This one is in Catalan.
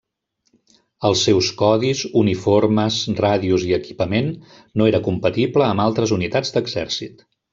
Els seus codis, uniformes, ràdios, i equipament no era compatible amb altres unitats d'exèrcit.